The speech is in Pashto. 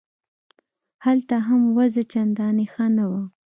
هلته هم وضع چندانې ښه نه وه.